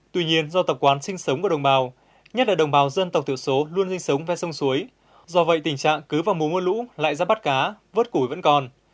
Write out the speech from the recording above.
tuy nhiên do tập quán sinh sống của đồng bào nhất là đồng bào dân tộc thiểu số luôn sinh sống ven sông suối do vậy tình trạng cứ vào mùa mưa lũ lại ra bắt cá vớt củi vẫn còn